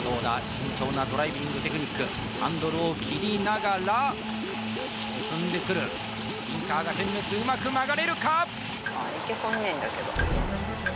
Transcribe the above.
慎重なドライビングテクニックハンドルを切りながら進んでくるウインカーが点滅うまく曲がれるか？